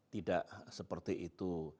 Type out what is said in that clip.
tidak seperti itu